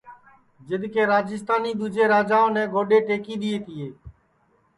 جب کہ راجیستانی دؔوجے راجاونے گودؔے ٹئکی دؔیئے تیے